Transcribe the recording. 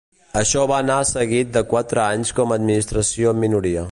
Això va anar seguit de quatre anys com a administració en minoria.